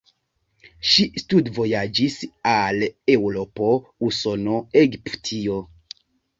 Ŝi studvojaĝis al Eŭropo, Usono, Egiptio.